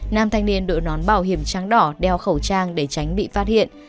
nam thanh niên đội nón bảo hiểm trắng đỏ đeo khẩu trang để tránh bị phát hiện